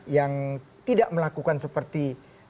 yang tidak melakukan seperti